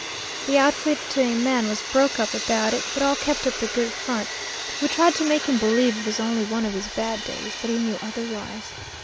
The outfit to a man was broke up about it, but all kept up a good front. We tried to make him believe it was only one of his bad days, but he knew otherwise.